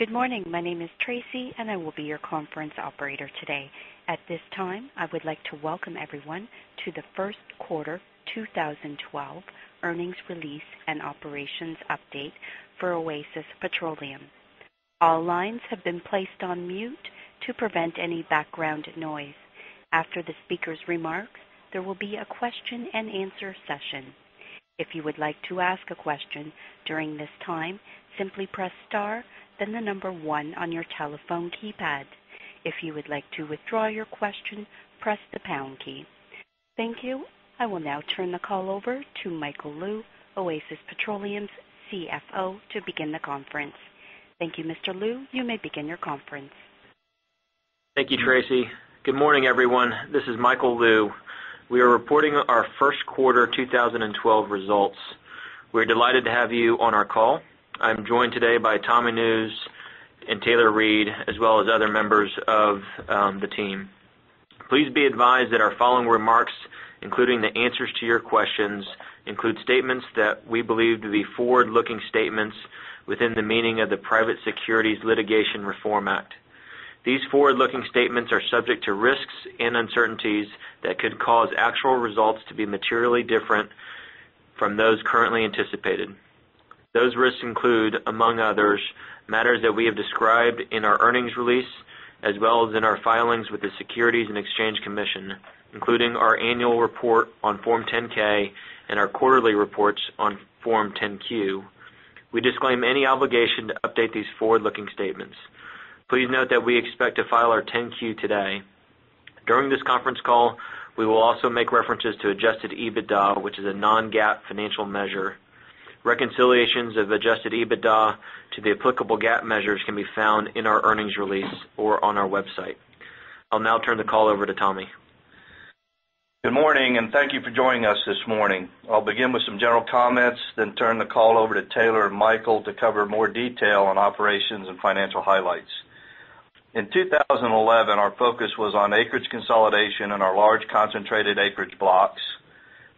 Good morning. My name is Tracy. I will be your conference operator today. At this time, I would like to welcome everyone to the first quarter 2012 earnings release and operations update for Oasis Petroleum. All lines have been placed on mute to prevent any background noise. After the speaker's remarks, there will be a question and answer session. If you would like to ask a question during this time, simply press star, then the number 1 on your telephone keypad. If you would like to withdraw your question, press the pound key. Thank you. I will now turn the call over to Michael Lou, Oasis Petroleum's CFO, to begin the conference. Thank you, Mr. Lou. You may begin your conference. Thank you, Tracy. Good morning, everyone. This is Michael Lou. We are reporting our first quarter 2012 results. We are delighted to have you on our call. I am joined today by Tommy Nusz and Taylor Reid, as well as other members of the team. Please be advised that our following remarks, including the answers to your questions, include statements that we believe to be forward-looking statements within the meaning of the Private Securities Litigation Reform Act. These forward-looking statements are subject to risks and uncertainties that could cause actual results to be materially different from those currently anticipated. Those risks include, among others, matters that we have described in our earnings release, as well as in our filings with the Securities and Exchange Commission, including our annual report on Form 10-K and our quarterly reports on Form 10-Q. We disclaim any obligation to update these forward-looking statements. Please note that we expect to file our 10-Q today. During this conference call, we will also make references to adjusted EBITDA, which is a non-GAAP financial measure. Reconciliations of adjusted EBITDA to the applicable GAAP measures can be found in our earnings release or on our website. I will now turn the call over to Tommy. Good morning. Thank you for joining us this morning. I will begin with some general comments, then turn the call over to Taylor and Michael to cover more detail on operations and financial highlights. In 2011, our focus was on acreage consolidation in our large concentrated acreage blocks,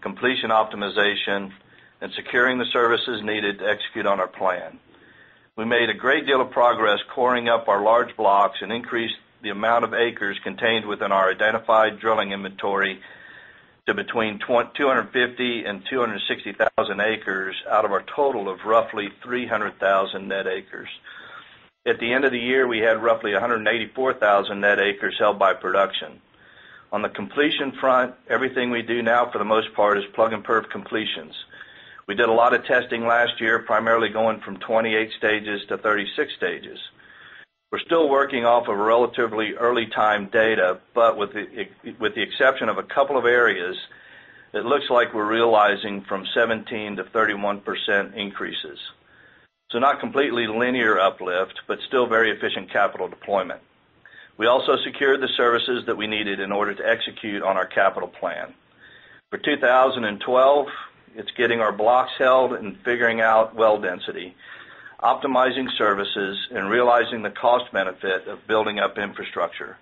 completion optimization, and securing the services needed to execute on our plan. We made a great deal of progress coring up our large blocks and increased the amount of acres contained within our identified drilling inventory to between 250,000 and 260,000 acres out of our total of roughly 300,000 net acres. At the end of the year, we had roughly 184,000 net acres held by production. On the completion front, everything we do now, for the most part, is plug and perf completions. We did a lot of testing last year, primarily going from 28 stages to 36 stages. We're still working off of relatively early time data. With the exception of a couple of areas, it looks like we're realizing from 17%-31% increases. Not completely linear uplift, but still very efficient capital deployment. We also secured the services that we needed in order to execute on our capital plan. For 2012, it's getting our blocks held and figuring out well density, optimizing services, and realizing the cost benefit of building up infrastructure.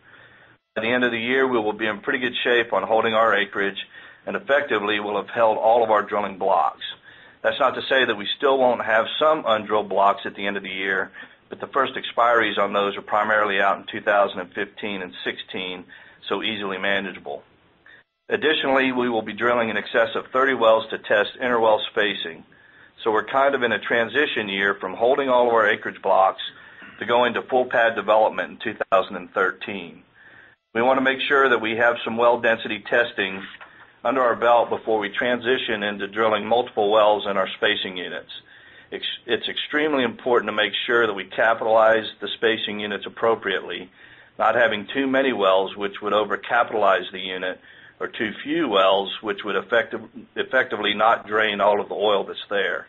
At the end of the year, we will be in pretty good shape on holding our acreage and effectively will have held all of our drilling blocks. That's not to say that we still won't have some undrilled blocks at the end of the year, but the first expiries on those are primarily out in 2015 and 2016, so easily manageable. Additionally, we will be drilling in excess of 30 wells to test inter-well spacing. We're in a transition year from holding all of our acreage blocks to going to full pad development in 2013. We want to make sure that we have some well density testing under our belt before we transition into drilling multiple wells in our spacing units. It's extremely important to make sure that we capitalize the spacing units appropriately, not having too many wells, which would over-capitalize the unit, or too few wells, which would effectively not drain all of the oil that's there.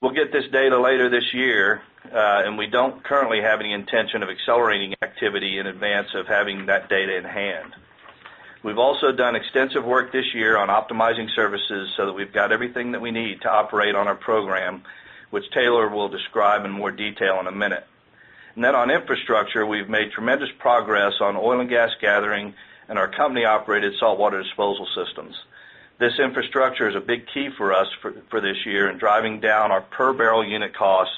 We'll get this data later this year, and we don't currently have any intention of accelerating activity in advance of having that data in hand. We've also done extensive work this year on optimizing services so that we've got everything that we need to operate on our program, which Taylor will describe in more detail in a minute. On infrastructure, we've made tremendous progress on oil and gas gathering and our company-operated saltwater disposal systems. This infrastructure is a big key for us for this year in driving down our per barrel unit cost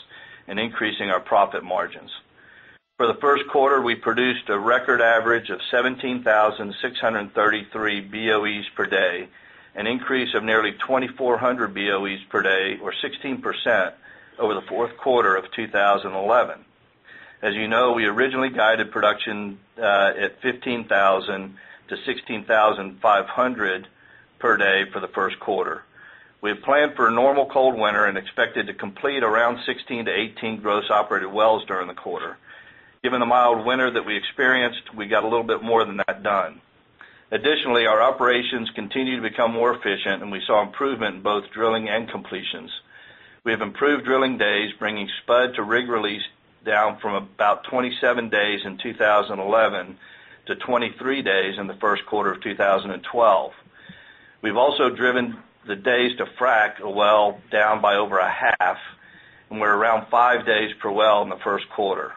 and increasing our profit margins. For the first quarter, we produced a record average of 17,633 BOEs per day, an increase of nearly 2,400 BOEs per day or 16% over the fourth quarter of 2011. As you know, we originally guided production at 15,000-16,500 per day for the first quarter. We had planned for a normal cold winter and expected to complete around 16-18 gross operated wells during the quarter. Given the mild winter that we experienced, we got a little bit more than that done. Additionally, our operations continue to become more efficient, and we saw improvement in both drilling and completions. We have improved drilling days, bringing spud to rig release down from about 27 days in 2011 to 23 days in the first quarter of 2012. We've also driven the days to frack a well down by over a half, and we're around five days per well in the first quarter.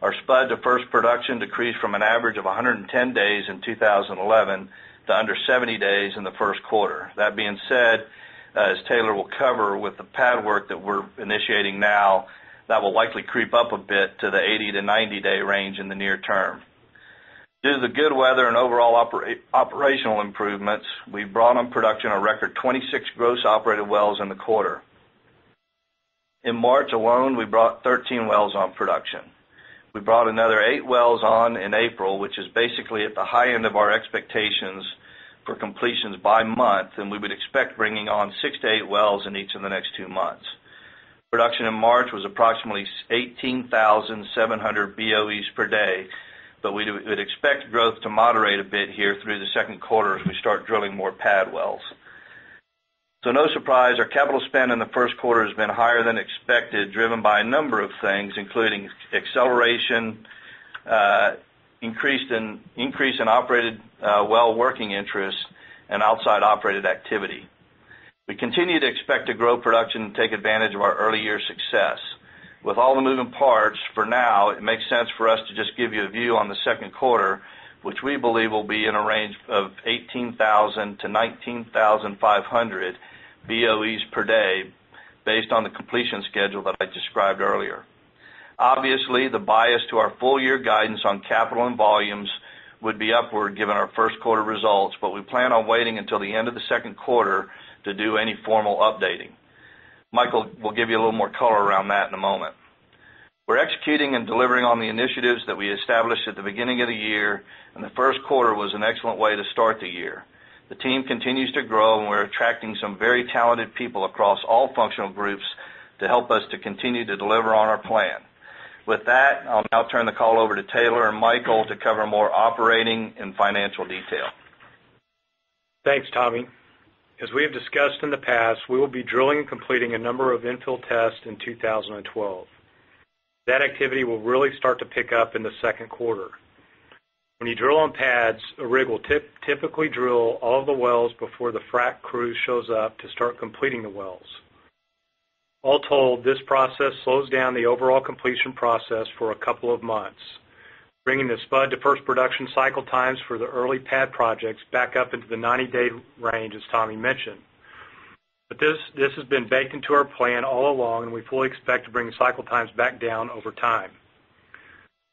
Our spud to first production decreased from an average of 110 days in 2011 to under 70 days in the first quarter. That being said, as Taylor will cover with the pad work that we're initiating now, that will likely creep up a bit to the 80-90-day range in the near term. Due to the good weather and overall operational improvements, we brought on production a record 26 gross operated wells in the quarter. In March alone, we brought 13 wells on production. We brought another eight wells on in April, which is basically at the high end of our expectations for completions by month, and we would expect bringing on six to eight wells in each of the next two months. Production in March was approximately 18,700 BOEs per day. We would expect growth to moderate a bit here through the second quarter as we start drilling more pad wells. No surprise, our capital spend in the first quarter has been higher than expected, driven by a number of things, including acceleration, increase in operated well working interest, and outside operated activity. We continue to expect to grow production and take advantage of our early year success. With all the moving parts, for now, it makes sense for us to just give you a view on the second quarter, which we believe will be in a range of 18,000 to 19,500 BOEs per day based on the completion schedule that I described earlier. Obviously, the bias to our full year guidance on capital and volumes would be upward given our first quarter results. We plan on waiting until the end of the second quarter to do any formal updating. Michael will give you a little more color around that in a moment. We're executing and delivering on the initiatives that we established at the beginning of the year, and the first quarter was an excellent way to start the year. The team continues to grow, and we're attracting some very talented people across all functional groups to help us to continue to deliver on our plan. With that, I'll now turn the call over to Taylor and Michael to cover more operating and financial detail. Thanks, Tommy. As we have discussed in the past, we will be drilling and completing a number of infill tests in 2012. That activity will really start to pick up in the second quarter. When you drill on pads, a rig will typically drill all of the wells before the frack crew shows up to start completing the wells. All told, this process slows down the overall completion process for a couple of months, bringing the spud to first production cycle times for the early pad projects back up into the 90-day range, as Tommy mentioned. This has been baked into our plan all along. We fully expect to bring cycle times back down over time.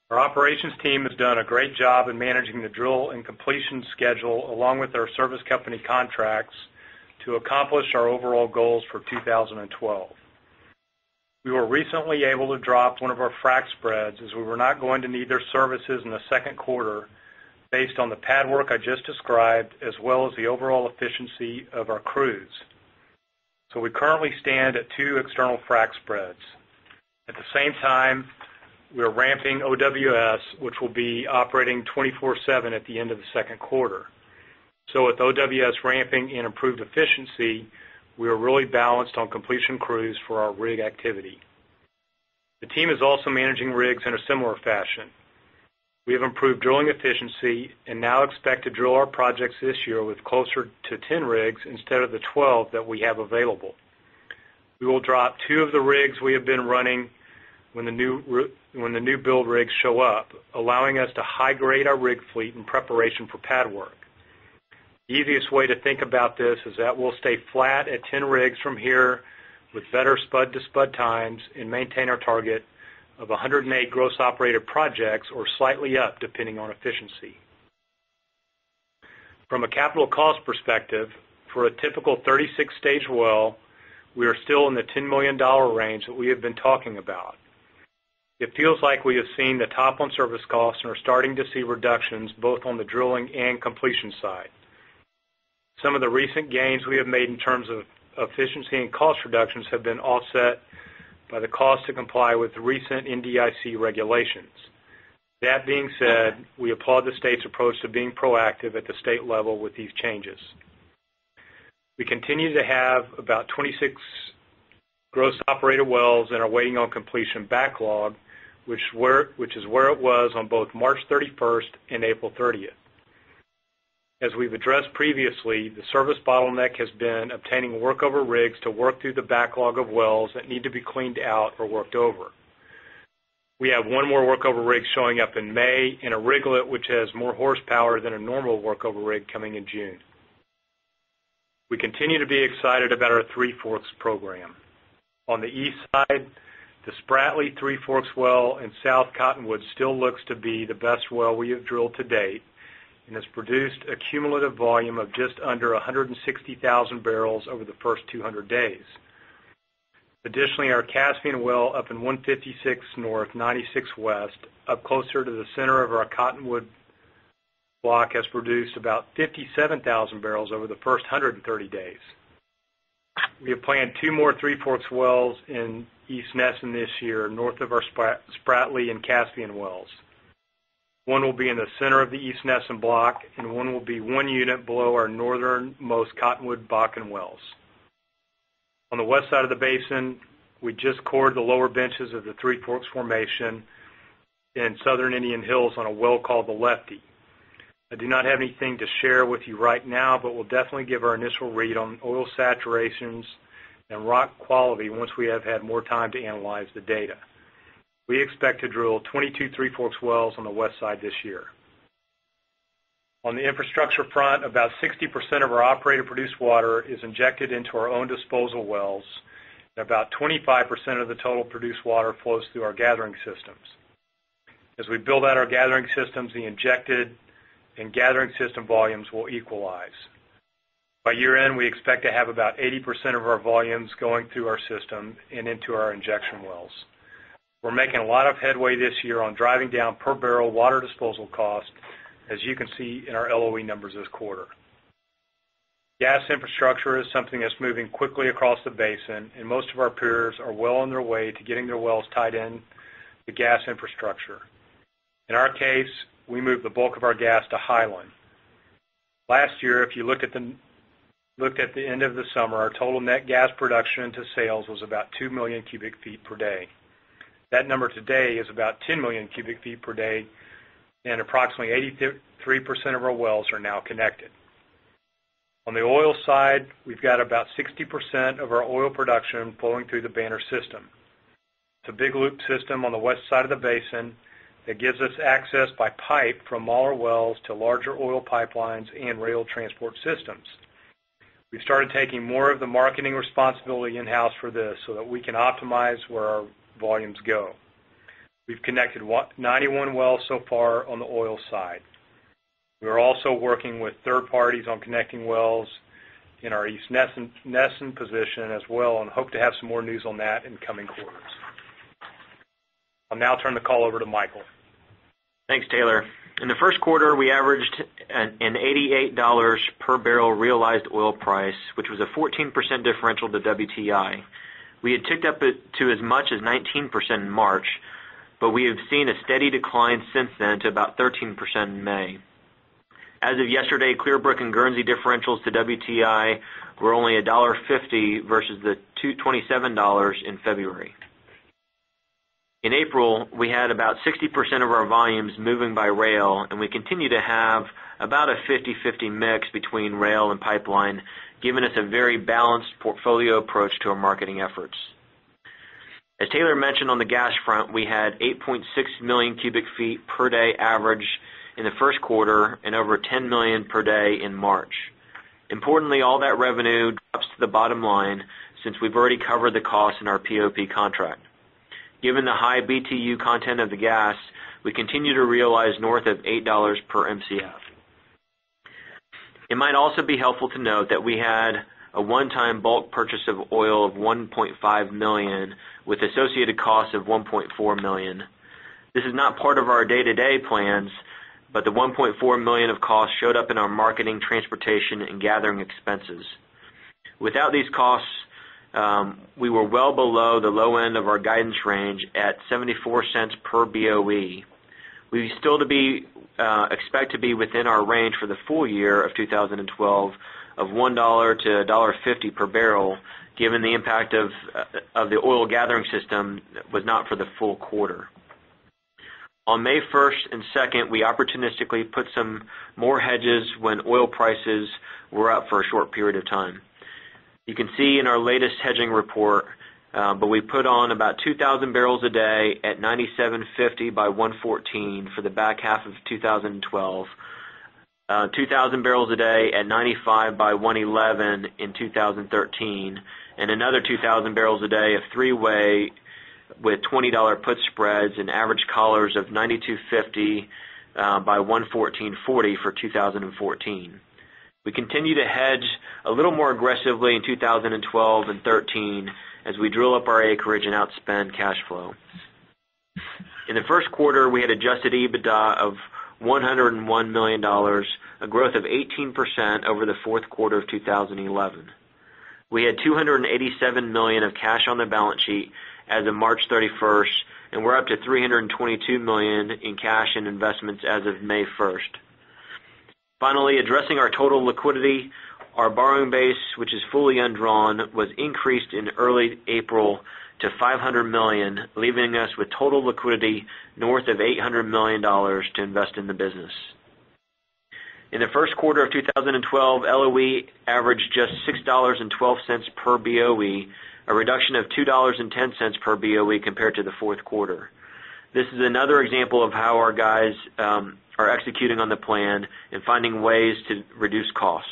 Our operations team has done a great job in managing the drill and completion schedule, along with our service company contracts to accomplish our overall goals for 2012. We were recently able to drop one of our frack spreads as we were not going to need their services in the second quarter based on the pad work I just described, as well as the overall efficiency of our crews. We currently stand at two external frack spreads. At the same time, we are ramping OWS, which will be operating 24/7 at the end of the second quarter. With OWS ramping and improved efficiency, we are really balanced on completion crews for our rig activity. The team is also managing rigs in a similar fashion. We have improved drilling efficiency and now expect to drill our projects this year with closer to 10 rigs instead of the 12 that we have available. We will drop two of the rigs we have been running when the new build rigs show up, allowing us to high-grade our rig fleet in preparation for pad work. The easiest way to think about this is that we'll stay flat at 10 rigs from here with better spud to spud times and maintain our target of 108 gross operated projects or slightly up, depending on efficiency. From a capital cost perspective, for a typical 36-stage well, we are still in the $10 million range that we have been talking about. It feels like we have seen the top on service costs and are starting to see reductions both on the drilling and completion side. Some of the recent gains we have made in terms of efficiency and cost reductions have been offset by the cost to comply with the recent NDIC regulations. That being said, we applaud the state's approach to being proactive at the state level with these changes. We continue to have about 26 gross operated wells and are waiting on completion backlog, which is where it was on both March 31st and April 30th. As we've addressed previously, the service bottleneck has been obtaining workover rigs to work through the backlog of wells that need to be cleaned out or worked over. We have one more workover rig showing up in May and a riglet, which has more horsepower than a normal workover rig, coming in June. We continue to be excited about our Three Forks program. On the east side, the Spratley Three Forks well in South Cottonwood still looks to be the best well we have drilled to date and has produced a cumulative volume of just under 160,000 barrels over the first 200 days. Additionally, our Caspian well up in 156 North, 96 West, up closer to the center of our Cottonwood block, has produced about 57,000 barrels over the first 130 days. We have planned two more Three Forks wells in East Nesson this year, north of our Spratley and Caspian wells. One will be in the center of the East Nesson block, and one will be one unit below our northernmost Cottonwood Bakken wells. On the west side of the basin, we just cored the lower benches of the Three Forks formation in southern Indian Hills on a well called The Lefty. I do not have anything to share with you right now, but we'll definitely give our initial read on oil saturations and rock quality once we have had more time to analyze the data. We expect to drill 22 Three Forks wells on the west side this year. On the infrastructure front, about 60% of our operated produced water is injected into our own disposal wells, and about 25% of the total produced water flows through our gathering systems. As we build out our gathering systems, the injected and gathering system volumes will equalize. By year-end, we expect to have about 80% of our volumes going through our system and into our injection wells. We're making a lot of headway this year on driving down per barrel water disposal cost, as you can see in our LOE numbers this quarter. Gas infrastructure is something that's moving quickly across the basin, and most of our peers are well on their way to getting their wells tied in the gas infrastructure. In our case, we moved the bulk of our gas to Hiland. Last year, if you look at the end of the summer, our total net gas production into sales was about 2 million cubic feet per day. That number today is about 10 million cubic feet per day, and approximately 83% of our wells are now connected. On the oil side, we've got about 60% of our oil production flowing through the Banner system. It's a big loop system on the west side of the basin that gives us access by pipe from all our wells to larger oil pipelines and rail transport systems. We started taking more of the marketing responsibility in-house for this that we can optimize where our volumes go. We've connected 91 wells so far on the oil side. We are also working with third parties on connecting wells in our East Nesson position as well and hope to have some more news on that in coming quarters. I'll now turn the call over to Michael. Thanks, Taylor. In the first quarter, we averaged an $88 per barrel realized oil price, which was a 14% differential to WTI. We had ticked up to as much as 19% in March, we have seen a steady decline since then to about 13% in May. As of yesterday, Clearbrook and Guernsey differentials to WTI were only $1.50 versus the $27 in February. In April, we had about 60% of our volumes moving by rail, and we continue to have about a 50/50 mix between rail and pipeline, giving us a very balanced portfolio approach to our marketing efforts. As Taylor mentioned on the gas front, we had 8.6 million cubic feet per day average in the first quarter and over 10 million per day in March. Importantly, all that revenue drops to the bottom line since we've already covered the cost in our POP contract. Given the high BTU content of the gas, we continue to realize north of $8 per Mcf. It might also be helpful to note that we had a one-time bulk purchase of oil of $1.5 million with associated costs of $1.4 million. This is not part of our day-to-day plans, but the $1.4 million of costs showed up in our marketing, transportation, and gathering expenses. Without these costs, we were well below the low end of our guidance range at $0.74 per BOE. We still expect to be within our range for the full year of 2012 of $1 to $1.50 per barrel, given the impact of the oil gathering system was not for the full quarter. On May 1st and 2nd, we opportunistically put some more hedges when oil prices were up for a short period of time. You can see in our latest hedging report, we put on about 2,000 barrels a day at $97.50 by 114 for the back half of 2012, 2,000 barrels a day at 95 by 111 in 2013, and another 2,000 barrels a day of three-way with $20 put spreads and average collars of $92.50 by 114.40 for 2014. We continue to hedge a little more aggressively in 2012 and 2013 as we drill up our acreage and outspend cash flow. In the first quarter, we had adjusted EBITDA of $101 million, a growth of 18% over the fourth quarter of 2011. We had $287 million of cash on the balance sheet as of March 31st, we're up to $322 million in cash and investments as of May 1st. Finally, addressing our total liquidity, our borrowing base, which is fully undrawn, was increased in early April to $500 million, leaving us with total liquidity north of $800 million to invest in the business. In the first quarter of 2012, LOE averaged just $6.12 per BOE, a reduction of $2.10 per BOE compared to the fourth quarter. This is another example of how our guys are executing on the plan and finding ways to reduce costs.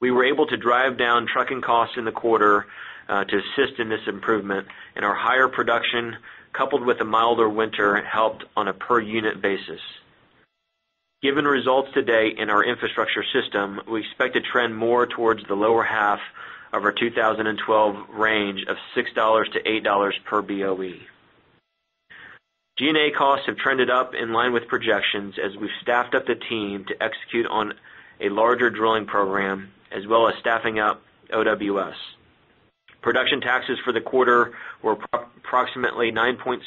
We were able to drive down trucking costs in the quarter to assist in this improvement. Our higher production, coupled with a milder winter, helped on a per unit basis. Given results to date in our infrastructure system, we expect to trend more towards the lower half of our 2012 range of $6 to $8 per BOE. DD&A costs have trended up in line with projections as we've staffed up the team to execute on a larger drilling program, as well as staffing up OWS. Production taxes for the quarter were approximately 9.6%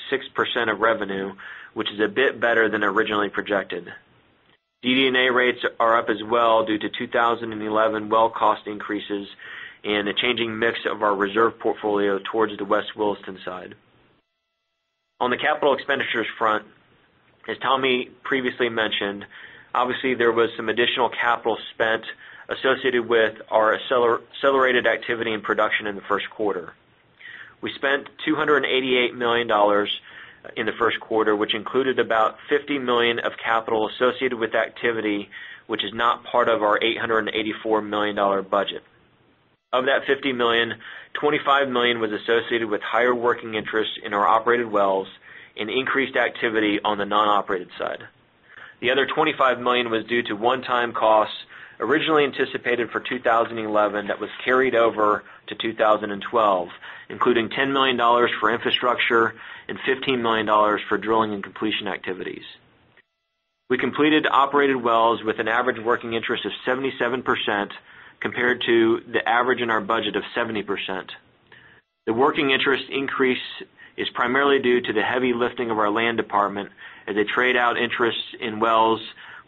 of revenue, which is a bit better than originally projected. DD&A rates are up as well due to 2011 well cost increases and a changing mix of our reserve portfolio towards the West Williston side. On the capital expenditures front, as Tommy previously mentioned, obviously there was some additional capital spent associated with our accelerated activity and production in the first quarter. We spent $288 million in the first quarter, which included about $50 million of capital associated with activity, which is not part of our $884 million budget. Of that $50 million, $25 million was associated with higher working interest in our operated wells and increased activity on the non-operated side. The other $25 million was due to one-time costs originally anticipated for 2011 that was carried over to 2012, including $10 million for infrastructure and $15 million for drilling and completion activities. We completed operated wells with an average working interest of 77%, compared to the average in our budget of 70%. The working interest increase is primarily due to the heavy lifting of our land department as they trade out interests in wells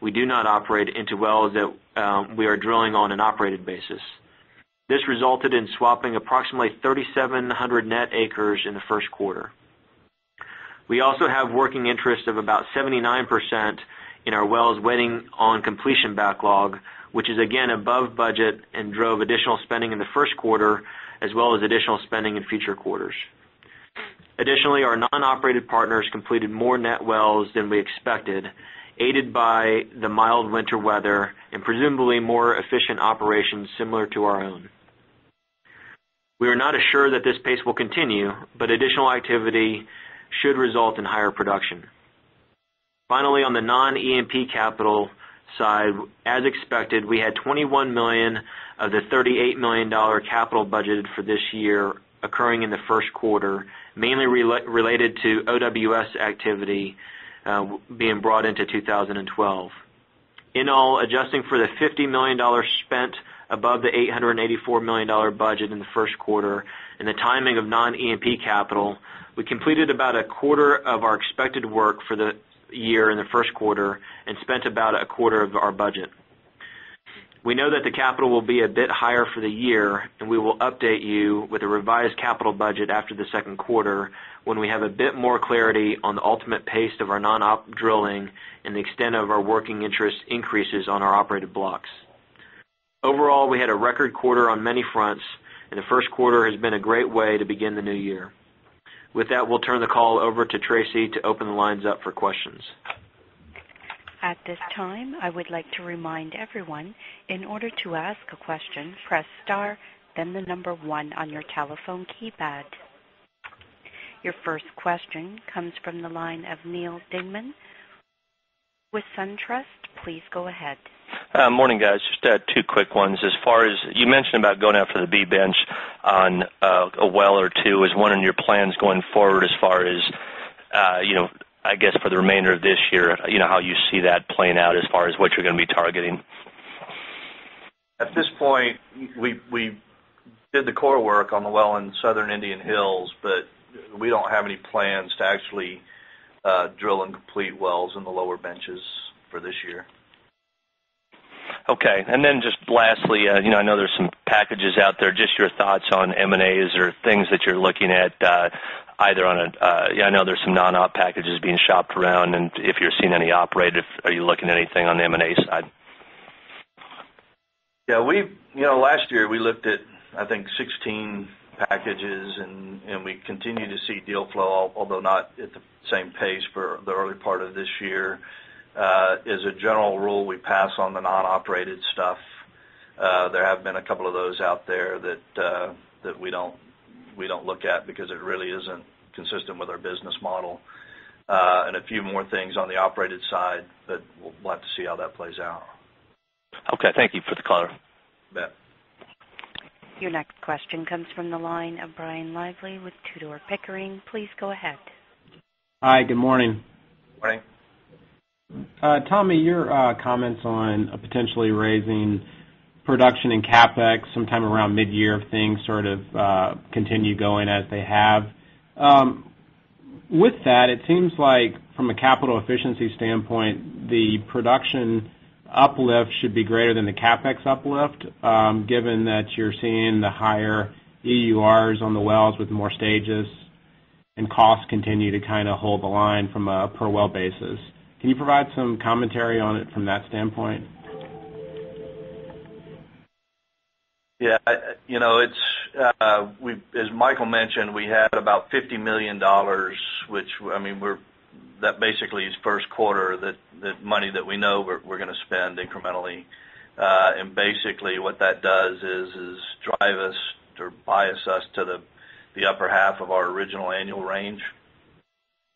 we do not operate into wells that we are drilling on an operated basis. This resulted in swapping approximately 3,700 net acres in the first quarter. We also have working interest of about 79% in our wells waiting on completion backlog, which is again above budget and drove additional spending in the first quarter, as well as additional spending in future quarters. Our non-operated partners completed more net wells than we expected, aided by the mild winter weather and presumably more efficient operations similar to our own. We are not assured that this pace will continue, but additional activity should result in higher production. On the non-E&P capital side, as expected, we had $21 million of the $38 million capital budgeted for this year occurring in the first quarter, mainly related to OWS activity being brought into 2012. In all, adjusting for the $50 million spent above the $884 million budget in the first quarter and the timing of non-E&P capital, we completed about a quarter of our expected work for the year in the first quarter and spent about a quarter of our budget. We know that the capital will be a bit higher for the year, we will update you with a revised capital budget after the second quarter when we have a bit more clarity on the ultimate pace of our non-op drilling and the extent of our working interest increases on our operated blocks. Overall, we had a record quarter on many fronts, the first quarter has been a great way to begin the new year. With that, we'll turn the call over to Tracy to open the lines up for questions. At this time, I would like to remind everyone, in order to ask a question, press star, then the number one on your telephone keypad. Your first question comes from the line of Neal Dingmann with SunTrust. Please go ahead. Morning, guys. Just two quick ones. As far as you mentioned about going after the B Bench on a well or two, is one of your plans going forward as far as for the remainder of this year, how you see that playing out as far as what you're going to be targeting? At this point, we did the core work on the well in Southern Indian Hills, but we don't have any plans to actually drill and complete wells in the lower benches for this year. Okay. Just lastly, I know there's some packages out there, just your thoughts on M&As or things that you're looking at, either I know there's some non-op packages being shopped around, and if you're seeing any operated, are you looking at anything on the M&A side? Yeah. Last year, we looked at, I think, 16 packages, and we continue to see deal flow, although not at the same pace for the early part of this year. As a general rule, we pass on the non-operated stuff. There have been a couple of those out there that we don't look at because it really isn't consistent with our business model. A few more things on the operated side, but we'll have to see how that plays out. Okay. Thank you for the color. You bet. Your next question comes from the line of Brian Lively with Tudor, Pickering. Please go ahead. Hi, good morning. Morning. Tommy, your comments on potentially raising production in CapEx sometime around mid-year if things sort of continue going as they have. With that, it seems like from a capital efficiency standpoint, the production uplift should be greater than the CapEx uplift, given that you're seeing the higher EURs on the wells with more stages and costs continue to hold the line from a per well basis. Can you provide some commentary on it from that standpoint? Yeah. As Michael mentioned, we had about $50 million, that basically is first quarter, the money that we know we're going to spend incrementally. Basically what that does is drive us or bias us to the upper half of our original annual range.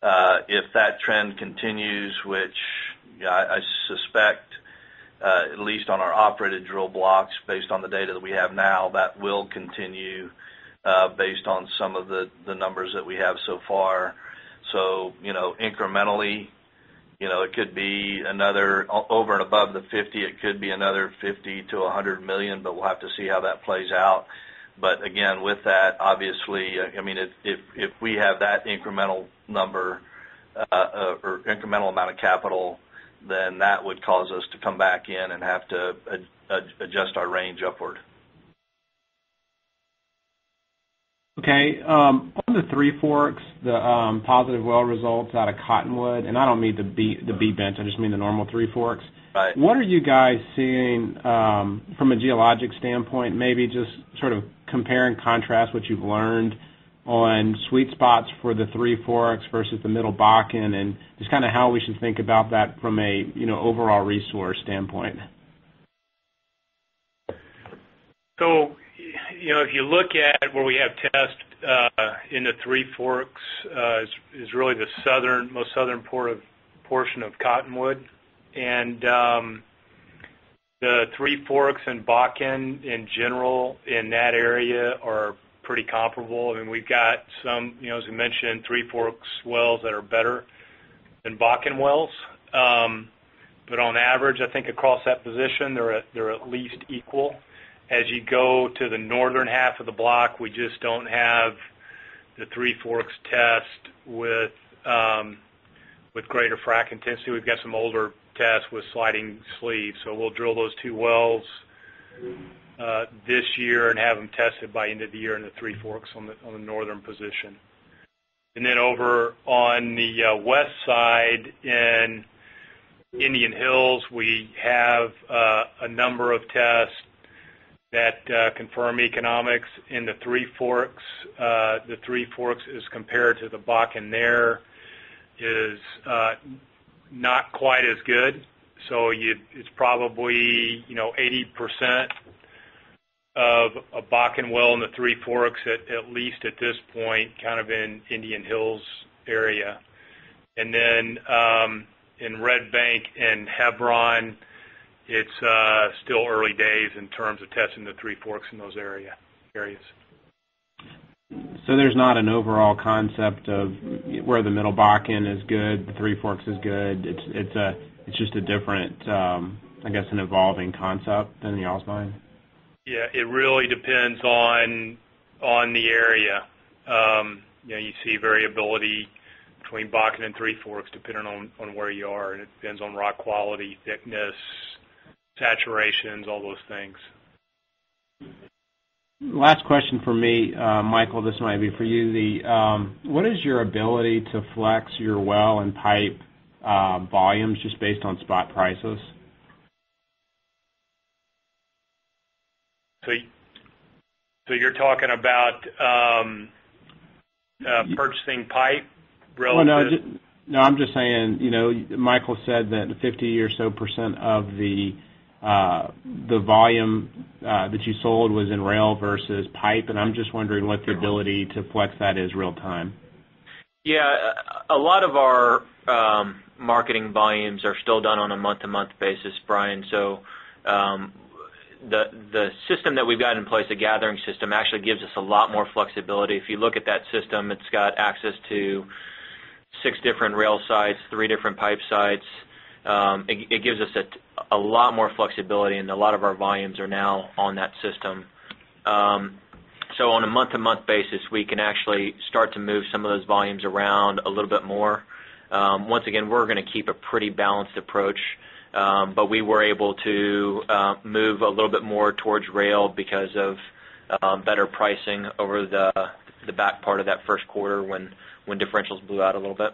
If that trend continues, which I suspect at least on our operated drill blocks, based on the data that we have now, that will continue based on some of the numbers that we have so far. Incrementally, over and above the $50, it could be another $50 million to $100 million, we'll have to see how that plays out. Again, with that, obviously, if we have that incremental number or incremental amount of capital, that would cause us to come back in and have to adjust our range upward. Okay. On the Three Forks, the positive well results out of Cottonwood, I don't mean the B bench, I just mean the normal Three Forks. Right. What are you guys seeing from a geologic standpoint, maybe just compare and contrast what you've learned on sweet spots for the Three Forks versus the Middle Bakken, just how we should think about that from a overall resource standpoint. If you look at where we have tests in the Three Forks is really the most southern portion of Cottonwood. The Three Forks and Bakken, in general, in that area are pretty comparable. We've got some, as we mentioned, Three Forks wells that are better than Bakken wells. On average, I think across that position, they're at least equal. As you go to the northern half of the block, we just don't have the Three Forks test with greater frac intensity. We've got some older tests with sliding sleeves. We'll drill those two wells this year and have them tested by end of the year in the Three Forks on the northern position. Over on the west side in Indian Hills, we have a number of tests that confirm economics in the Three Forks. The Three Forks as compared to the Bakken there is not quite as good. It's probably 80% of a Bakken well in the Three Forks, at least at this point, in Indian Hills area. In Red Bank and Hebron, it's still early days in terms of testing the Three Forks in those areas. There's not an overall concept of where the Middle Bakken is good, the Three Forks is good. It's just a different, I guess, an evolving concept than the Osborn? Yeah, it really depends on the area. You see variability between Bakken and Three Forks, depending on where you are, and it depends on rock quality, thickness, saturations, all those things. Last question from me. Michael, this might be for you. What is your ability to flex your well and pipe volumes just based on spot prices? You're talking about purchasing pipe relative- No, I'm just saying, Michael said that 50% or so of the volume that you sold was in rail versus pipe, and I'm just wondering what the ability to flex that is real-time. Yeah. A lot of our marketing volumes are still done on a month-to-month basis, Brian, the system that we've got in place, the gathering system, actually gives us a lot more flexibility. If you look at that system, it's got access to 6 different rail sites, 3 different pipe sites. It gives us a lot more flexibility, a lot of our volumes are now on that system. On a month-to-month basis, we can actually start to move some of those volumes around a little bit more. Once again, we're going to keep a pretty balanced approach. We were able to move a little bit more towards rail because of better pricing over the back part of that first quarter when differentials blew out a little bit.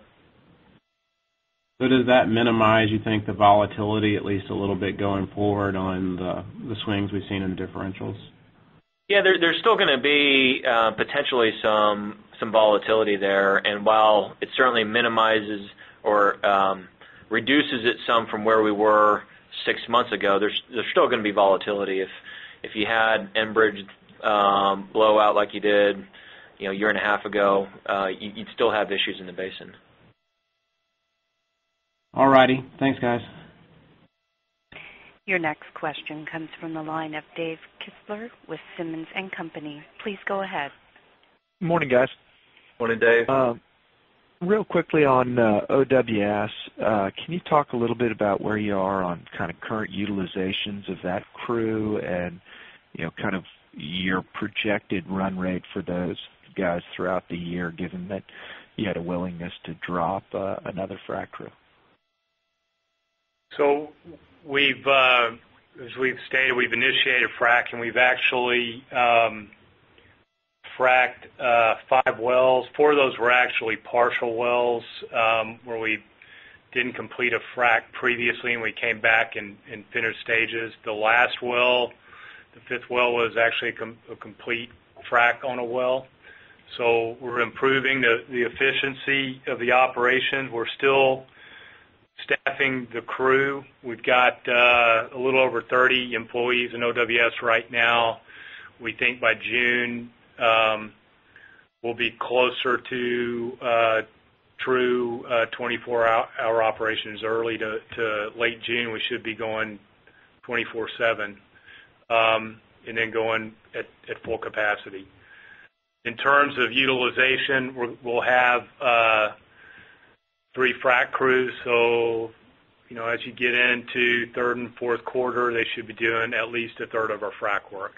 Does that minimize, you think, the volatility at least a little bit going forward on the swings we've seen in the differentials? Yeah, there's still going to be potentially some volatility there. While it certainly minimizes or reduces it some from where we were six months ago, there's still going to be volatility. If you had Enbridge blow out like you did a year and a half ago, you'd still have issues in the basin. All righty. Thanks, guys. Your next question comes from the line of Dave Kistler with Simmons & Company. Please go ahead. Morning, guys. Morning, Dave. Real quickly on OWS, can you talk a little bit about where you are on current utilizations of that crew and your projected run rate for those guys throughout the year, given that you had a willingness to drop another frac crew? As we've stated, we've initiated frac, and we've actually fracked five wells. Four of those were actually partial wells, where we didn't complete a frac previously, and we came back and finished stages. The last well, the fifth well, was actually a complete frac on a well. We're improving the efficiency of the operation. We're still staffing the crew. We've got a little over 30 employees in OWS right now. We think by June, we'll be closer to true 24-hour operations. Early to late June, we should be going 24/7, and then going at full capacity. In terms of utilization, we'll have three frac crews. As you get into third and fourth quarter, they should be doing at least a third of our frac work.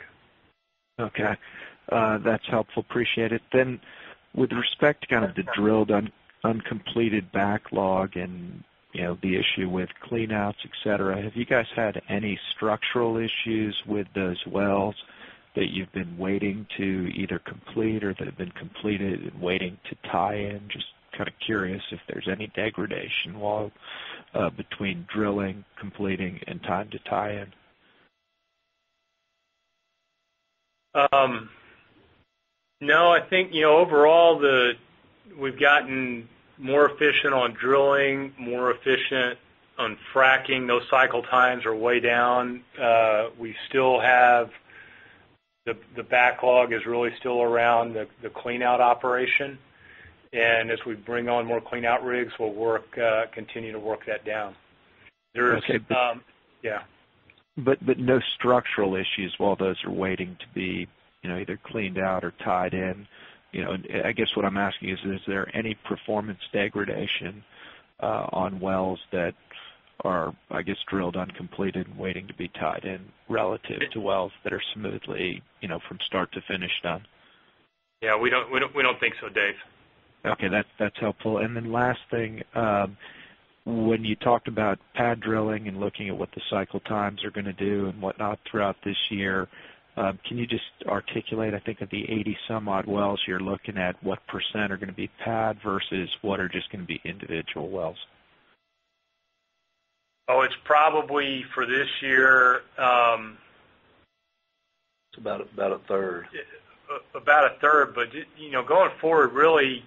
Okay. That's helpful. Appreciate it. With respect to the drilled uncompleted backlog and the issue with cleanouts, et cetera, have you guys had any structural issues with those wells that you've been waiting to either complete or that have been completed and waiting to tie in? Just curious if there's any degradation between drilling, completing, and time to tie in. No. I think, overall, we've gotten more efficient on drilling, more efficient on fracking. Those cycle times are way down. The backlog is really still around the cleanout operation, and as we bring on more cleanout rigs, we'll continue to work that down. Okay. Yeah. No structural issues while those are waiting to be either cleaned out or tied in. I guess what I'm asking is there any performance degradation on wells that are, I guess, drilled uncompleted and waiting to be tied in relative to wells that are smoothly from start to finish done? Yeah, we don't think so, Dave. Okay. That's helpful. Last thing, when you talked about pad drilling and looking at what the cycle times are going to do and whatnot throughout this year, can you just articulate, I think of the 80 some odd wells you're looking at, what % are going to be pad versus what are just going to be individual wells? Oh, it's probably for this year. It's about a third. About a third. Going forward, really,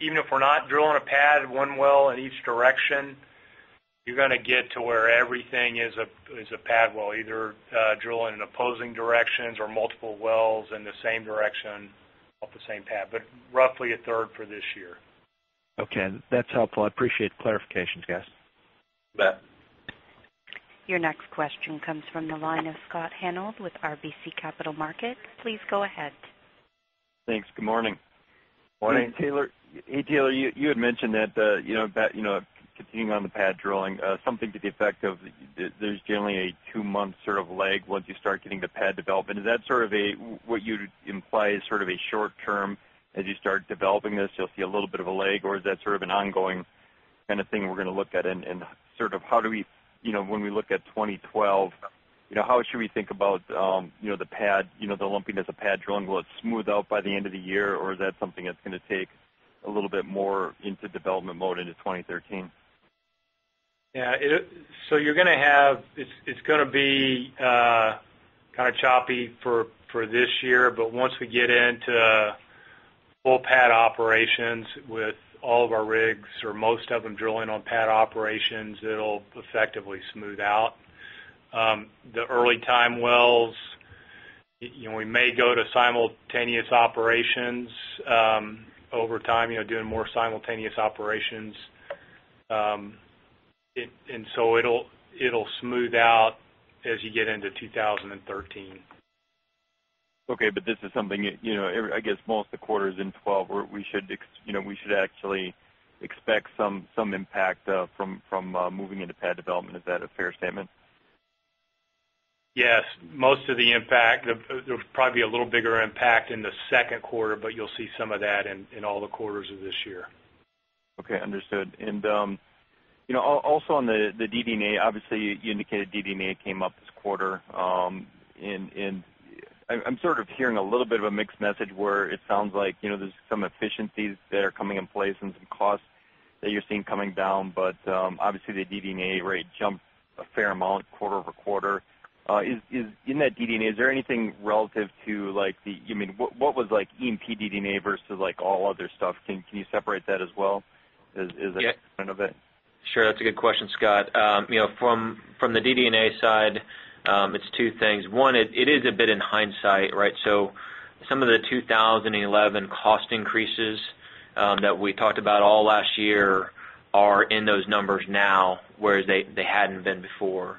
even if we're not drilling a pad one well in each direction, you're going to get to where everything is a pad well, either drilling in opposing directions or multiple wells in the same direction off the same pad. Roughly a third for this year. Okay. That's helpful. I appreciate the clarification, guys. You bet. Your next question comes from the line of Scott Hanold with RBC Capital Markets. Please go ahead. Thanks. Good morning. Morning. Hey, Taylor. You had mentioned that, continuing on the pad drilling, something to the effect of there's generally a two-month lag once you start getting the pad development. Is that what you'd imply is a short term, as you start developing this, you'll see a little bit of a lag, or is that an ongoing thing we're going to look at? When we look at 2012, how should we think about the lumpiness of pad drilling? Will it smooth out by the end of the year, or is that something that's going to take a little bit more into development mode into 2013? Yeah. It's going to be choppy for this year. Once we get into full pad operations with all of our rigs, or most of them drilling on pad operations, it'll effectively smooth out. The early time wells, we may go to simultaneous operations over time, doing more simultaneous operations. It'll smooth out as you get into 2013. Okay, but this is something, I guess, most of the quarters in 2012, we should actually expect some impact from moving into pad development. Is that a fair statement? Yes, most of the impact. There'll probably be a little bigger impact in the second quarter, but you'll see some of that in all the quarters of this year. Okay, understood. Also on the DD&A, obviously, you indicated DD&A came up this quarter, and I'm hearing a little bit of a mixed message where it sounds like there's some efficiencies that are coming in place and some costs that you're seeing coming down. Obviously, the DD&A rate jumped a fair amount quarter-over-quarter. In that DD&A, is there anything relative to the what was E&P DD&A versus all other stuff? Can you separate that as well as a component of it? Sure. That's a good question, Scott. From the DD&A side, it's two things. One, it is a bit in hindsight, right? Some of the 2011 cost increases that we talked about all last year are in those numbers now, whereas they hadn't been before.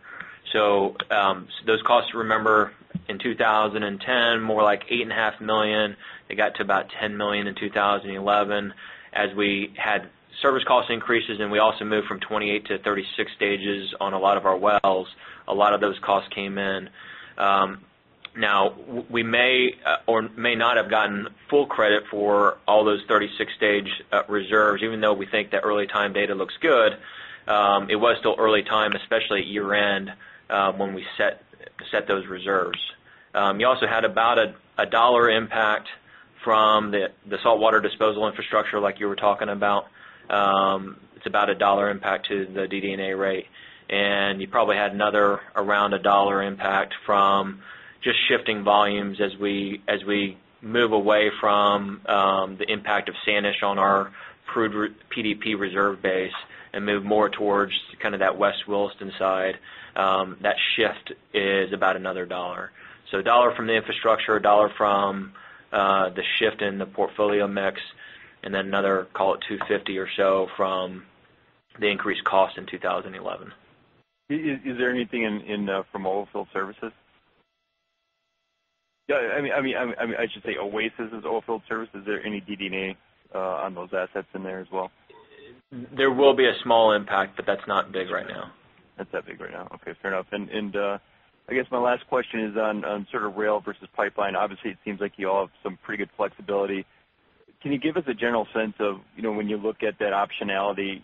Those costs, remember, in 2010, more like $8.5 million. They got to about $10 million in 2011. As we had service cost increases, and we also moved from 28 to 36 stages on a lot of our wells, a lot of those costs came in. Now, we may or may not have gotten full credit for all those 36-stage reserves, even though we think the early time data looks good. It was still early time, especially at year-end, when we set those reserves. You also had about a $1 impact from the saltwater disposal infrastructure like you were talking about. It's about a $1 impact to the DD&A rate. You probably had another around a $1 impact from just shifting volumes as we move away from the impact of Sanish on our proved PDP reserve base and move more towards that West Williston side. That shift is about another $1. A $1 from the infrastructure, a $1 from the shift in the portfolio mix, and then another, call it $250 or so from the increased cost in 2011. Is there anything from oil field services? I should say Oasis' oil field service. Is there any DD&A on those assets in there as well? There will be a small impact, but that's not big right now. That's not big right now. Okay, fair enough. I guess my last question is on rail versus pipeline. Obviously, it seems like you all have some pretty good flexibility. Can you give us a general sense of when you look at that optionality,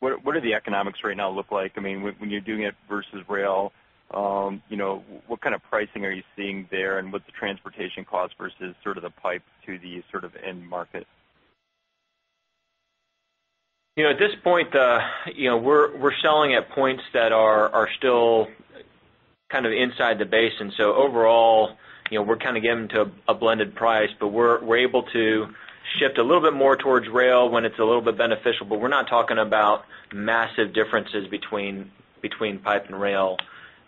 what do the economics right now look like? When you're doing it versus rail, what kind of pricing are you seeing there, and what's the transportation cost versus the pipe to the end market? At this point, we're selling at points that are still inside the basin. Overall, we're getting to a blended price, but we're able to shift a little bit more towards rail when it's a little bit beneficial. We're not talking about massive differences between pipe and rail.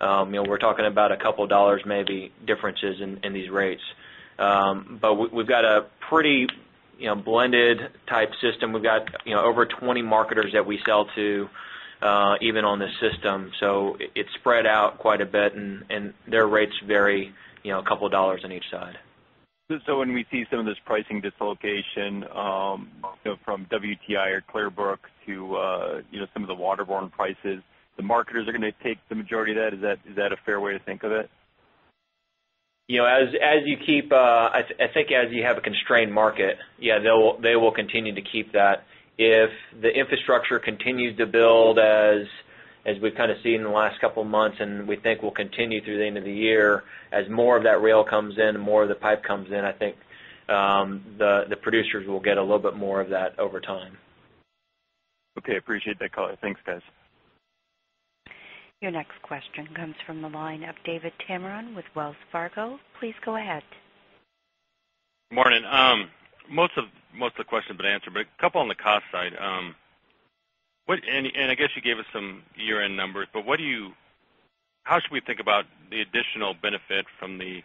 We're talking about a couple of dollars maybe differences in these rates. We've got a pretty blended type system. We've got over 20 marketers that we sell to even on this system. It's spread out quite a bit, and their rates vary a couple of dollars on each side. When we see some of this pricing dislocation from WTI or Clearbrook to some of the waterborne prices, the marketers are going to take the majority of that. Is that a fair way to think of it? I think as you have a constrained market, yeah, they will continue to keep that. If the infrastructure continues to build as we've seen in the last couple of months and we think will continue through the end of the year, as more of that rail comes in and more of the pipe comes in, I think the producers will get a little bit more of that over time. Okay. Appreciate that color. Thanks, guys. Your next question comes from the line of David Tameron with Wells Fargo. Please go ahead. Morning. Most of the questions have been answered, but a couple on the cost side. I guess you gave us some year-end numbers, but how should we think about the additional benefit from the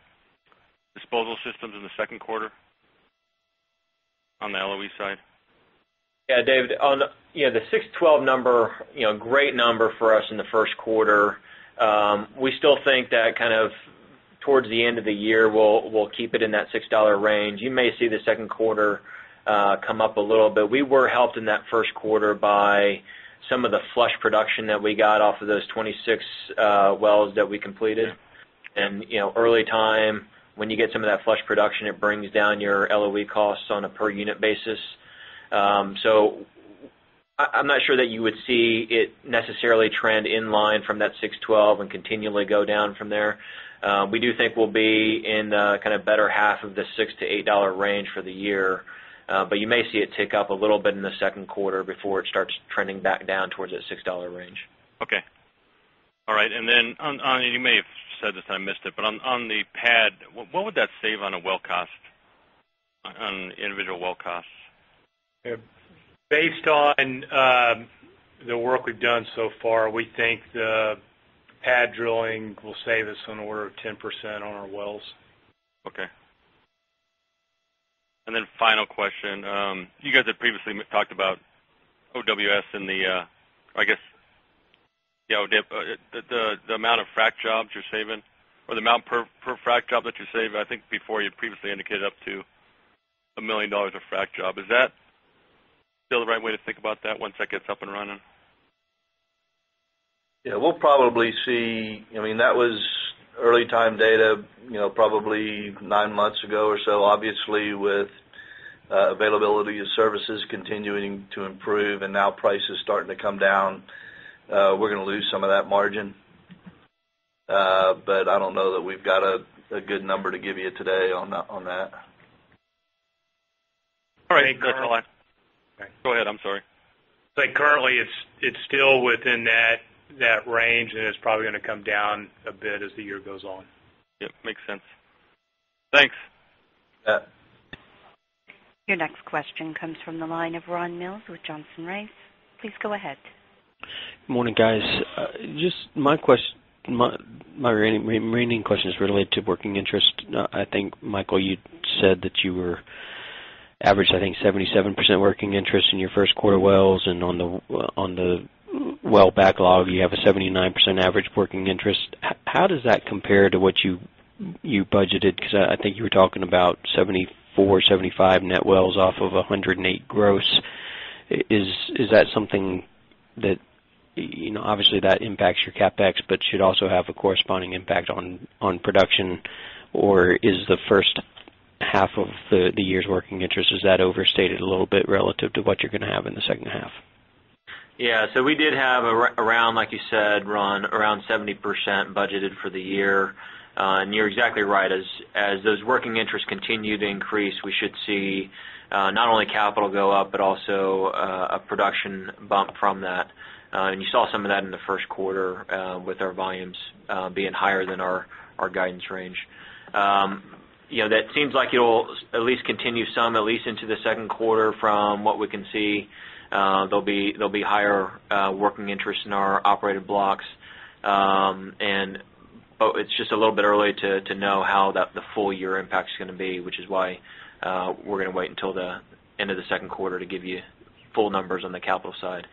disposal systems in the second quarter on the LOE side? Yeah, David, the $6.12 number, great number for us in the first quarter. We still think that towards the end of the year, we'll keep it in that $6 range. You may see the second quarter come up a little, we were helped in that first quarter by some of the flush production that we got off of those 26 wells that we completed. Early time, when you get some of that flush production, it brings down your LOE costs on a per unit basis. I'm not sure that you would see it necessarily trend in line from that $6.12 and continually go down from there. We do think we'll be in the better half of the $6-$8 range for the year. You may see it tick up a little bit in the second quarter before it starts trending back down towards that $6 range. Okay. All right. You may have said this, and I missed it, but on the pad, what would that save on a well cost, on individual well costs? Based on the work we've done so far, we think the pad drilling will save us on the order of 10% on our wells. Okay. Final question. You guys had previously talked about OWS and, I guess, the amount of frac jobs you're saving or the amount per frac job that you're saving. I think before you previously indicated up to $1 million a frac job. Is that still the right way to think about that once that gets up and running? Yeah, we'll probably see That was early time data, probably nine months ago or so. Obviously, with availability of services continuing to improve and now prices starting to come down, we're going to lose some of that margin. I don't know that we've got a good number to give you today on that. All right. I think currently. Go ahead. I'm sorry. Currently, it's still within that range, and it's probably going to come down a bit as the year goes on. Yep, makes sense. Thanks. Yeah. Your next question comes from the line of Ron Mills with Johnson Rice. Please go ahead. Morning, guys. My remaining question is related to working interest. I think, Michael, you said that you were average, I think, 77% working interest in your first quarter wells, and on the well backlog, you have a 79% average working interest. How does that compare to what you budgeted? I think you were talking about 74, 75 net wells off of 108 gross. Is that something that obviously that impacts your CapEx but should also have a corresponding impact on production? Is the first half of the year's working interest, is that overstated a little bit relative to what you're going to have in the second half? Yeah. We did have around, like you said, Ron, around 70% budgeted for the year. You're exactly right. As those working interests continue to increase, we should see not only capital go up, but also a production bump from that. You saw some of that in the first quarter with our volumes being higher than our guidance range. That seems like it'll at least continue some, at least into the second quarter from what we can see. There'll be higher working interest in our operated blocks. It's just a little bit early to know how the full year impact is going to be, which is why we're going to wait until the end of the second quarter to give you full numbers on the capital side.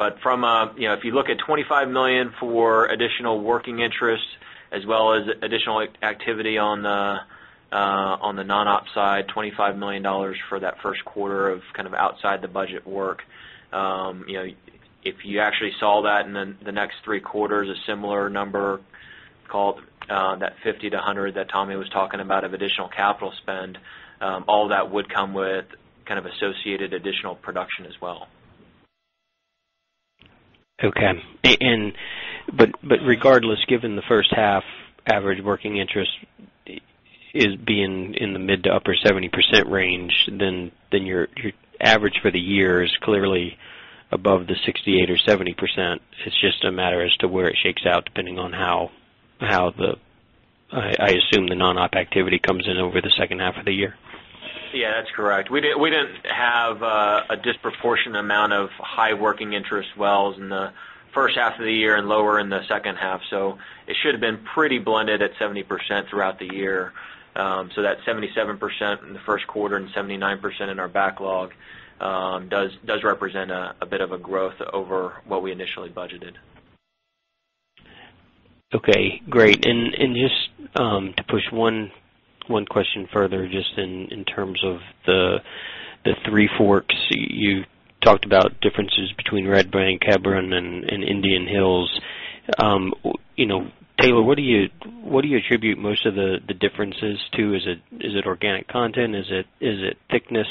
If you look at $25 million for additional working interest, as well as additional activity on the non-op side, $25 million for that first quarter of outside-the-budget work. If you actually saw that in the next three quarters, a similar number called that $50 million-$100 million that Tommy was talking about of additional capital spend, all that would come with associated additional production as well. Okay. Regardless, given the first half average working interest is being in the mid to upper 70% range, your average for the year is clearly above the 68% or 70%. It's just a matter as to where it shakes out, depending on how, I assume, the non-op activity comes in over the second half of the year. Yeah, that's correct. We didn't have a disproportionate amount of high working interest wells in the first half of the year and lower in the second half. It should've been pretty blended at 70% throughout the year. That 77% in the first quarter and 79% in our backlog does represent a bit of a growth over what we initially budgeted. Okay, great. Just to push one question further, just in terms of the Three Forks, you talked about differences between Red Bank, Hebron, and Indian Hills. Taylor, what do you attribute most of the differences to? Is it organic content? Is it thickness?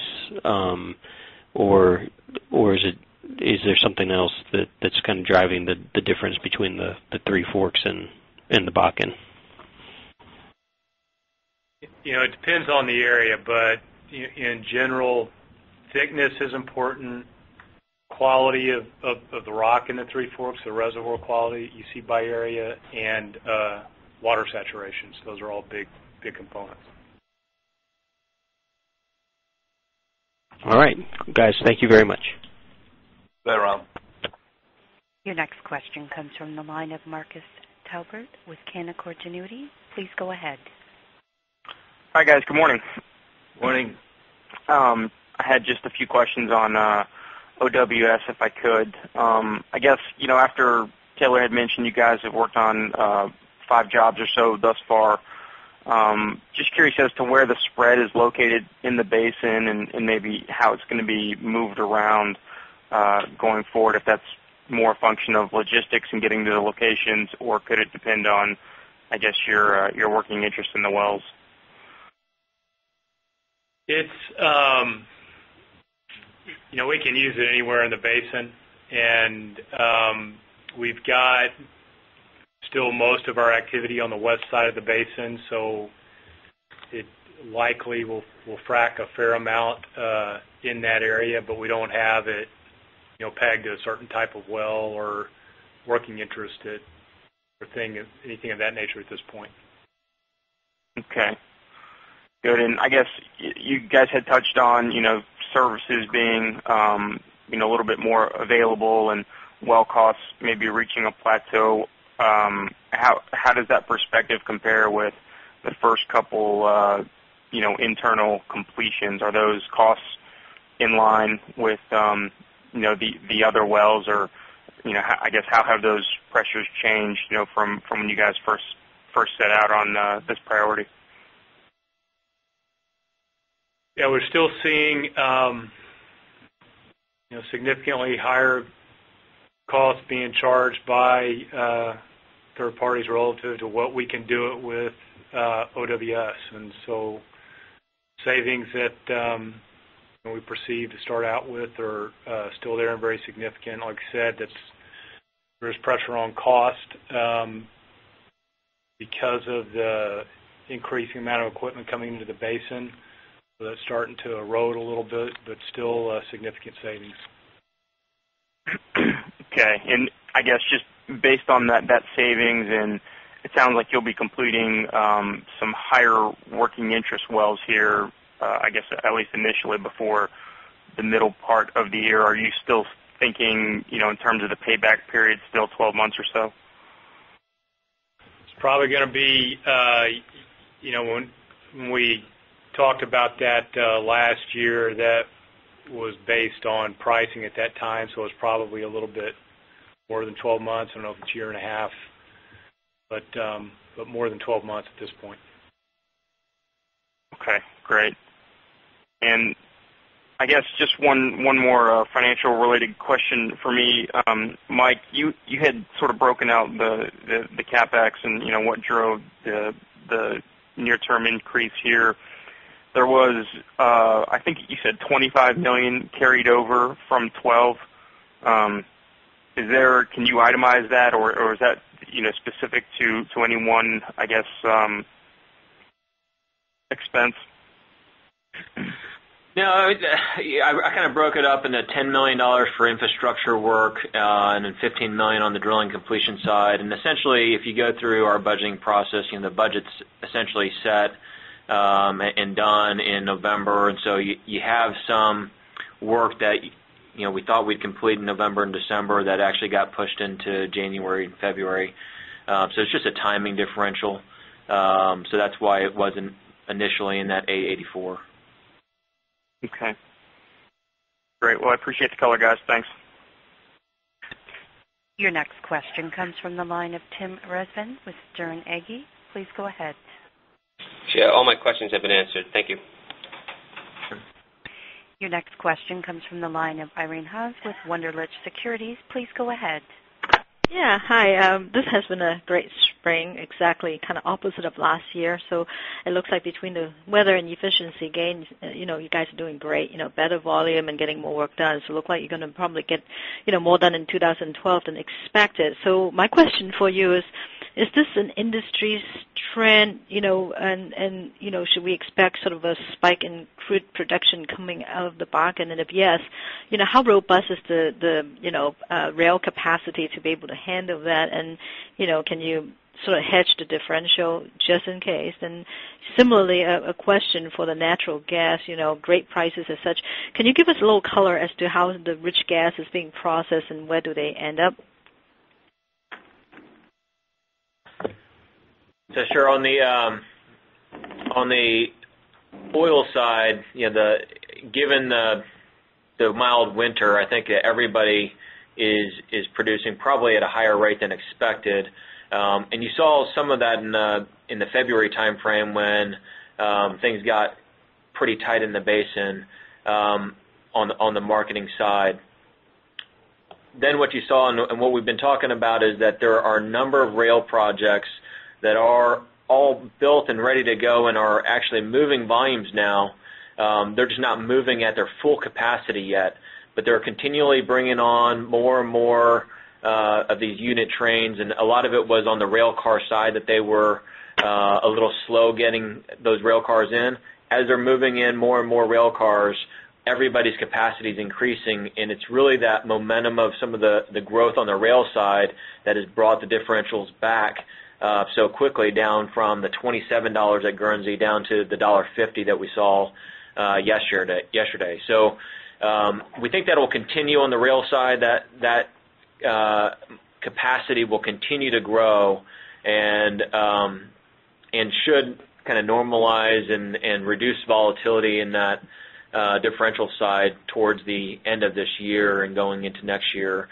Or is there something else that's driving the difference between the Three Forks and the Bakken? It depends on the area, but in general, thickness is important, quality of the rock in the Three Forks, the reservoir quality you see by area, and water saturation. Those are all big components. All right. Guys, thank you very much. Bye, Ron. Your next question comes from the line of Marcus Talbert with Canaccord Genuity. Please go ahead. Hi, guys. Good morning. Morning. I had just a few questions on OWS, if I could. I guess, after Taylor had mentioned you guys have worked on five jobs or so thus far, just curious as to where the spread is located in the basin and maybe how it's going to be moved around going forward, if that's more a function of logistics and getting to the locations, or could it depend on, I guess, your working interest in the wells? We can use it anywhere in the basin. We've got still most of our activity on the west side of the basin, it likely will frack a fair amount in that area, but we don't have it pegged to a certain type of well or working interest or anything of that nature at this point. Okay. Good. I guess you guys had touched on services being a little bit more available and well costs maybe reaching a plateau. How does that perspective compare with the first couple internal completions? Are those costs in line with the other wells or, I guess, how have those pressures changed from when you guys first set out on this priority? Yeah, we're still seeing significantly higher costs being charged by third parties relative to what we can do it with OWS. Savings that we proceed to start out with are still there and very significant. Like I said, there's pressure on cost because of the increasing amount of equipment coming into the basin. That's starting to erode a little bit, but still a significant savings. Okay. I guess just based on that savings, and it sounds like you'll be completing some higher working interest wells here, I guess, at least initially before the middle part of the year. Are you still thinking, in terms of the payback period, still 12 months or so? It's probably going to be When we talked about that last year, that was based on pricing at that time, so it's probably a little bit more than 12 months. I don't know if it's a year and a half, but more than 12 months at this point. Okay, great. I guess just one more financial-related question for me. Mike, you had sort of broken out the CapEx and what drove the near-term increase here. There was, I think you said, $25 million carried over from 2012. Can you itemize that, or is that specific to any one, I guess, expense? No, I broke it up into $10 million for infrastructure work and then $15 million on the drilling completion side. Essentially, if you go through our budgeting process, the budget's essentially set and done in November. You have some work that we thought we'd complete in November and December that actually got pushed into January and February. It's just a timing differential. That's why it wasn't initially in that $884. Okay. Great. Well, I appreciate the color, guys. Thanks. Your next question comes from the line of Tim Rezvan with Sterne Agee. Please go ahead. Yeah, all my questions have been answered. Thank you. Your next question comes from the line of Irene Haas with Wunderlich Securities. Please go ahead. Yeah. Hi. This has been a great spring, exactly opposite of last year. It looks like between the weather and efficiency gains, you guys are doing great, better volume and getting more work done. Look like you're going to probably get more done in 2012 than expected. My question for you is this an industry trend, and should we expect sort of a spike in crude production coming out of the Bakken? If yes, how robust is the rail capacity to be able to handle that? Can you sort of hedge the differential just in case? Similarly, a question for the natural gas, great prices as such. Can you give us a little color as to how the rich gas is being processed, and where do they end up? Sure, on the oil side, given the mild winter, I think everybody is producing probably at a higher rate than expected. You saw some of that in the February timeframe when things got pretty tight in the basin on the marketing side. What you saw and what we've been talking about is that there are a number of rail projects that are all built and ready to go and are actually moving volumes now. They're just not moving at their full capacity yet, but they're continually bringing on more and more of these unit trains, and a lot of it was on the rail car side that they were a little slow getting those rail cars in. As they're moving in more and more rail cars, everybody's capacity is increasing, and it's really that momentum of some of the growth on the rail side that has brought the differentials back so quickly down from the $27 at Guernsey down to the $1.50 that we saw yesterday. We think that'll continue on the rail side, that capacity will continue to grow and should normalize and reduce volatility in that differential side towards the end of this year and going into next year.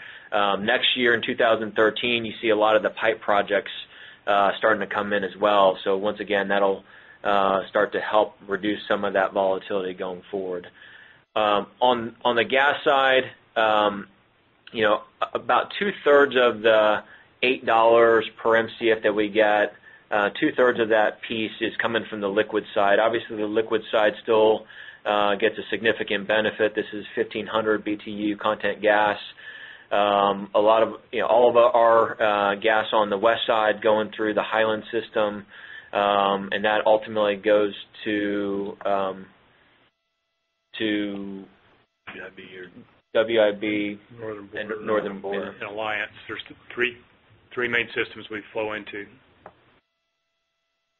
Next year, in 2013, you see a lot of the pipe projects starting to come in as well. Once again, that'll start to help reduce some of that volatility going forward. On the gas side, about two-thirds of the $8 per Mcf that we get, two-thirds of that piece is coming from the liquid side. Obviously, the liquid side still gets a significant benefit. This is 1,500 BTU content gas. All of our gas on the west side going through the Hiland system, and that ultimately goes to- WIB or- WIB- Northern Border Northern Border. Alliance. There's three main systems we flow into.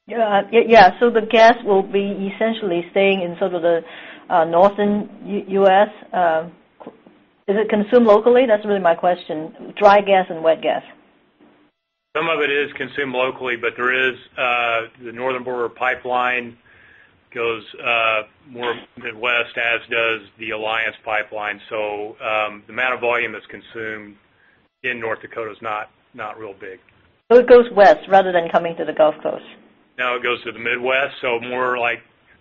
Yeah. The gas will be essentially staying in sort of the northern U.S. Is it consumed locally? That's really my question. Dry gas and wet gas. Some of it is consumed locally, there is the Northern Border Pipeline goes more Midwest, as does the Alliance Pipeline. The amount of volume that's consumed in North Dakota is not real big. It goes west rather than coming to the Gulf Coast. No, it goes to the Midwest, more like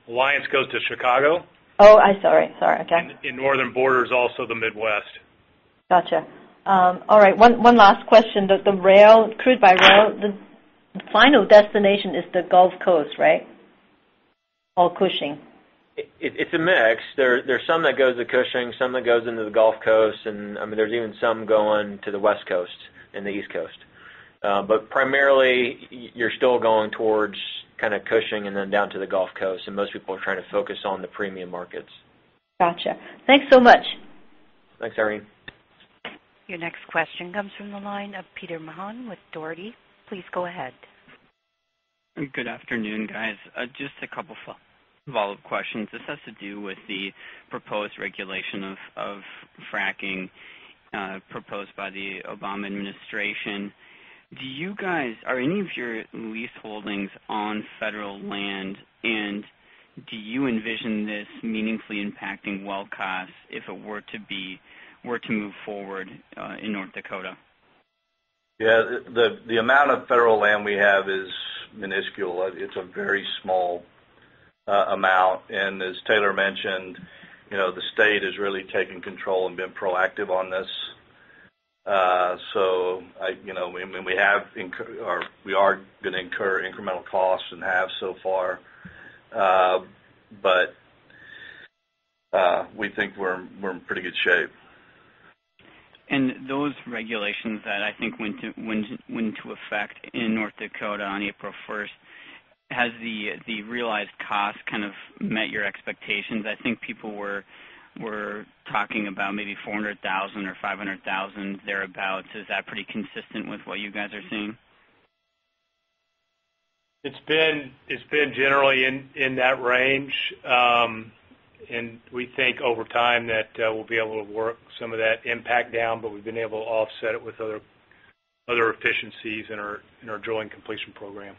Alliance goes to Chicago. Oh, I sorry. Okay. Northern Border is also the Midwest. Gotcha. All right. One last question. The rail, crude by rail, the final destination is the Gulf Coast, right? Cushing. It's a mix. There's some that goes to Cushing, some that goes into the Gulf Coast, and there's even some going to the West Coast and the East Coast. Primarily, you're still going towards Cushing and then down to the Gulf Coast, and most people are trying to focus on the premium markets. Gotcha. Thanks so much. Thanks, Irene. Your next question comes from the line of Peter Mahan with Dougherty. Please go ahead. Good afternoon, guys. Just a couple of follow-up questions. This has to do with the proposed regulation of fracking proposed by the Obama administration. Are any of your lease holdings on federal land, and do you envision this meaningfully impacting well costs if it were to move forward in North Dakota? Yeah. The amount of federal land we have is minuscule. It's a very small amount. As Taylor mentioned, the state has really taken control and been proactive on this. We are going to incur incremental costs and have so far. We think we're in pretty good shape. Those regulations that I think went into effect in North Dakota on April 1st, has the realized cost met your expectations? I think people were talking about maybe $400,000 or $500,000 thereabouts. Is that pretty consistent with what you guys are seeing? It's been generally in that range. We think over time that we'll be able to work some of that impact down, but we've been able to offset it with other Other efficiencies in our drilling completion program.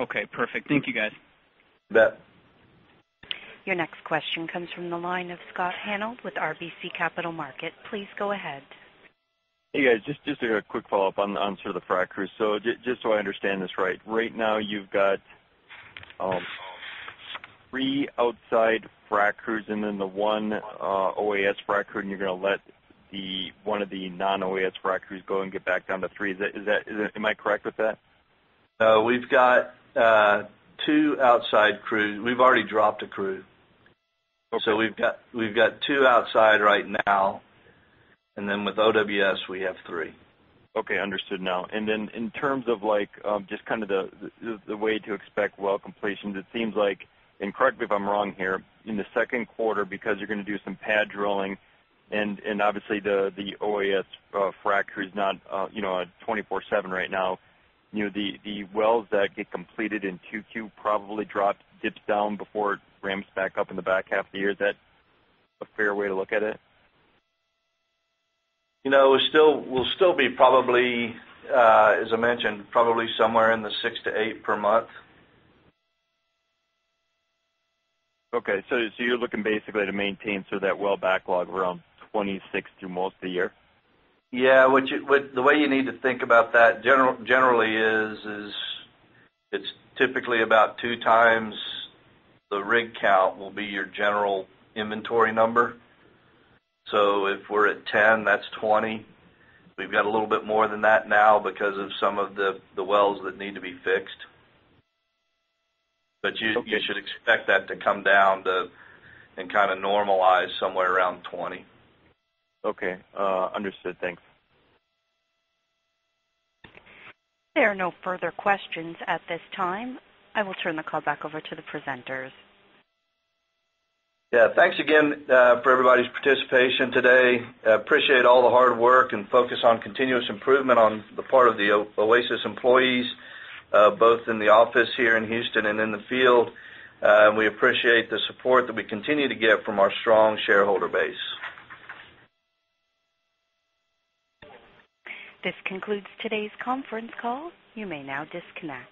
Okay, perfect. Thank you, guys. You bet. Your next question comes from the line of Scott Hanold with RBC Capital Markets. Please go ahead. Hey, guys. Just a quick follow-up on sort of the frac crews. Just so I understand this right now you've got three outside frac crews and then the one OAS frac crew, and you're going to let one of the non-OAS frac crews go and get back down to three. Am I correct with that? We've got two outside crews. We've already dropped a crew. Okay. We've got two outside right now, and then with OWS, we have three. Okay, understood now. In terms of just the way to expect well completions, it seems like, and correct me if I'm wrong here, in the second quarter, because you're going to do some pad drilling, and obviously the OAS frac crew's not 24/7 right now. The wells that get completed in 2Q probably dips down before it ramps back up in the back half of the year. Is that a fair way to look at it? We'll still be probably, as I mentioned, probably somewhere in the six to eight per month. Okay. You're looking basically to maintain that well backlog around 26 through most of the year? Yeah. The way you need to think about that generally is, it's typically about two times the rig count will be your general inventory number. If we're at 10, that's 20. We've got a little bit more than that now because of some of the wells that need to be fixed. Okay. You should expect that to come down to, and normalize somewhere around 20. Okay. Understood. Thanks. There are no further questions at this time. I will turn the call back over to the presenters. Yeah. Thanks again for everybody's participation today. Appreciate all the hard work and focus on continuous improvement on the part of the Oasis employees, both in the office here in Houston and in the field. We appreciate the support that we continue to get from our strong shareholder base. This concludes today's conference call. You may now disconnect.